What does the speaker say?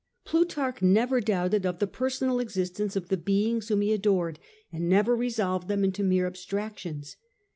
Plutarch never doubted of the personal existence of the beings whom he adored, and never resolved them into mere abstractions.